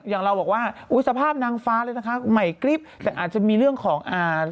อย่างเราบอกว่าอุ้ยสภาพนางฟ้าเลยนะคะใหม่กริ๊บแต่อาจจะมีเรื่องของอ่า